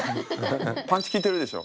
パンチ効いてるでしょ？